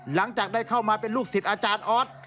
หลังจากได้เข้ามาเป็นลูกศิษย์อาจารย์ออส